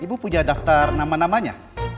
ibu punya daftar nama namanya